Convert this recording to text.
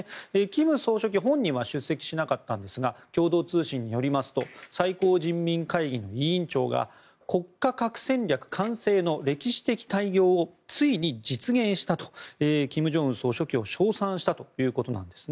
金総書記本人は出席しなかったんですが共同通信によりますと最高人民会議の委員長が国家核戦力完成の歴史的大業をついに実現したと金正恩総書記を称賛したということです。